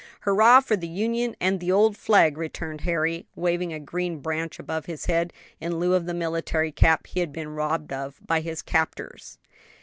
"Hurrah for the Union and the old flag!" returned Harry, waving a green branch above his head, in lieu of the military cap he had been robbed of by his captors.